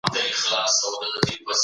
د شیطان په لاره نه تلل کېږي.